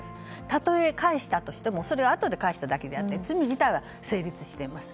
たとえ返してもそれはあとで返しただけなので罪自体は成立しています。